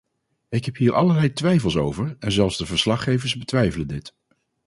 Ik heb hier allerlei twijfels over, en zelfs de verslaggevers betwijfelen dit.